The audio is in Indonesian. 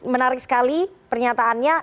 menarik sekali pernyataannya